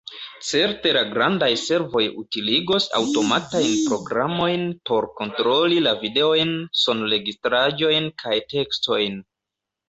Certe la grandaj servoj utiligos aŭtomatajn programojn por kontroli la videojn, sonregistraĵojn kaj tekstojn.